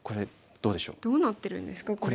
どうなってるんですかこれは。